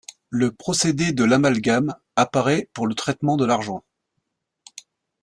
Le procédé de l'amalgame apparaît pour le traitement de l'argent.